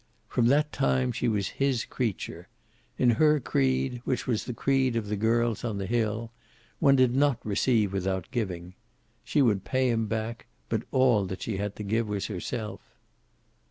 From that time she was his creature. In her creed, which was the creed of the girls on the hill, one did not receive without giving. She would pay him back, but all that she had to give was herself.